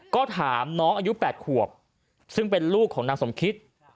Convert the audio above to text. ก็ถามน้องอายุ๘ขวบซึ่งเป็นลูกของนางสมคิต